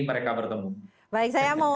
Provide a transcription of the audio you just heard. mereka bertemu baik saya mau